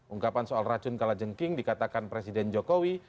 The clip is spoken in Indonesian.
ungkapan soal racun kalajengking dikatakan presiden jokowi